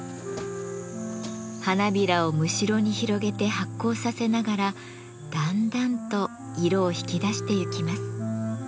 花びらをむしろに広げて発酵させながらだんだんと色を引き出してゆきます。